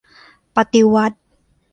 ปฏิวัติ !